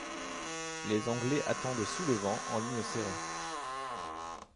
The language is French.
Les Anglais attendent sous le vent, en ligne serrée.